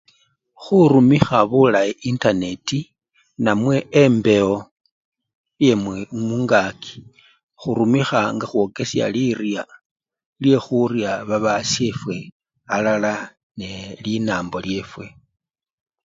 Khurumikha bulayi intaneti namwe embewo yemwi mu-mungaki, khurumikha nga ekhwokesha lirya lye khurya babashefwe alala nelinambo lyefwe.